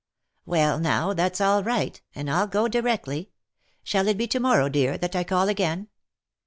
" Well now, that's all right, and I'll go directly. Shall it be to morrow, dear, that I call again